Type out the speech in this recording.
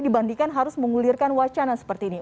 dibandingkan harus mengulirkan wacana seperti ini